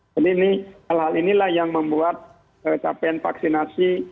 jadi ini hal hal inilah yang membuat capaian vaksinasi